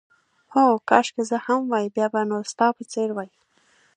هو، کاشکې زه هم وای، بیا به نو ستا په څېر وای.